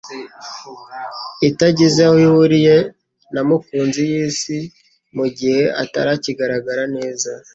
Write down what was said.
itagize aho ihuriye na mkuntzi y'isi. Mu gihe atari akigaragara neza,